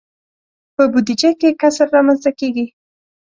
په بودجه کې کسر رامنځته کیږي.